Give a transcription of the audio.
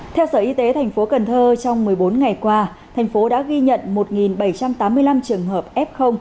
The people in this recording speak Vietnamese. theo sở y tế tp cnh trong một mươi bốn ngày qua thành phố đã ghi nhận một bảy trăm tám mươi năm trường hợp f